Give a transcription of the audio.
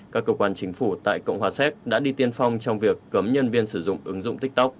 các cơ quan chính phủ tại cộng hòa séc đã đi tiên phong trong việc cấm nhân viên sử dụng ứng dụng tiktok